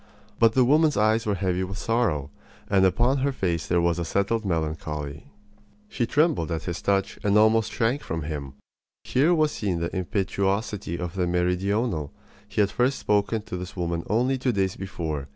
But the woman's eyes were heavy with sorrow, and upon her face there was a settled melancholy. She trembled at his touch and almost shrank from him. Here was seen the impetuosity of the meridional. He had first spoken to this woman only two days before.